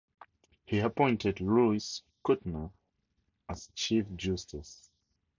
He appointed Luis Kutner as Chief Justice.